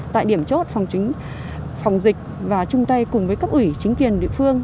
tại điểm chốt phòng dịch và chung tay cùng với cấp ủy chính quyền địa phương